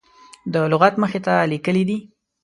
د لغت مخې ته لیکلي دي.